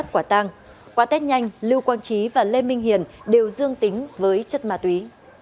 qua tết nhanh lưu quang trí và lê minh hiền đều dương tính với chất ma túy